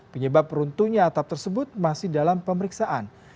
penyebab runtuhnya atap tersebut masih dalam pemeriksaan